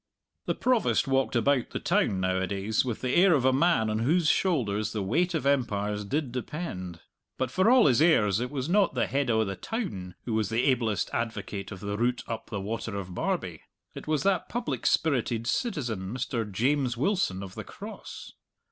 The Provost walked about the town nowadays with the air of a man on whose shoulders the weight of empires did depend. But for all his airs it was not the Head o' the Town who was the ablest advocate of the route up the Water of Barbie. It was that public spirited citizen, Mr. James Wilson of the Cross!